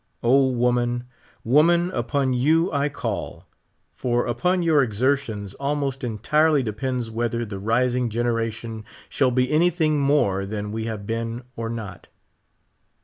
O, woman, woman, upon you I call ; for upon your ex ertions almost entirely depends whether the rising gen eration shall be anything more than we have been or not.